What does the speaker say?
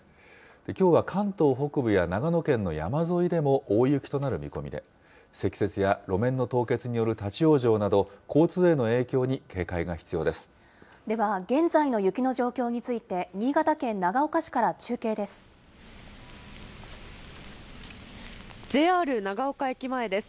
きょうは関東北部や長野県の山沿いでも大雪となる見込みで、積雪や路面の凍結による立往生など、交通への影響に警戒が必要ででは現在の雪の状況について、新潟県長岡市から中継です。